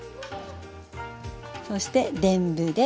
そしてでんぶです。